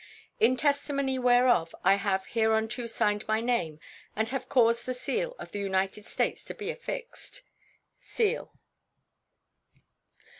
In testimony whereof I have hereunto signed my name and have caused the seal of the United States to be affixed. [SEAL.